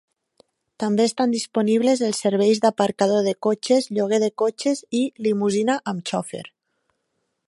També estan disponibles els serveis d'aparcador de cotxes, lloguer de cotxes i limusina amb xofer.